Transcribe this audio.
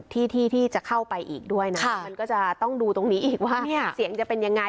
มันก็จะต้องดูตรงนี้อีกว่าเสียงจะเป็นยังไง